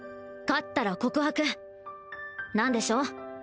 勝ったら告白なんでしょう？